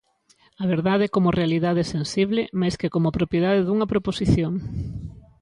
A verdade como realidade sensible, máis que como propiedade dunha proposición.